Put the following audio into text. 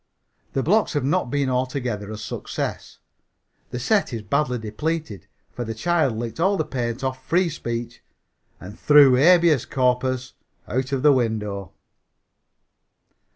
The blocks have not been altogether a success. The set is badly depleted, for the child licked all the paint off "Free Speech" and threw "Habeas Corpus" out of the window.